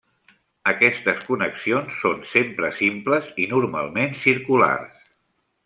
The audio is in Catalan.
Aquestes connexions són sempre simples i normalment circulars.